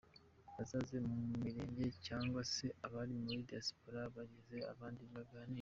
"Bazaze mu mirenge cyangwa se abari muri diaspora bazegere abandi baganire".